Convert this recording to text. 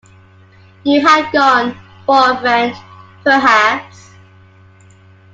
You had gone, for a friend perhaps.